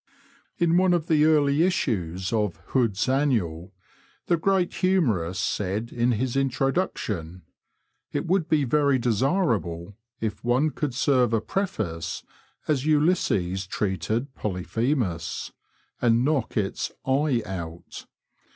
In one of the early issues of Hood's Annual,'* the great humorist said in his introduction, " It would be very desirable if one could serve a frefo/ce as Ulysses treated Polyphemus — and knock its */* out.'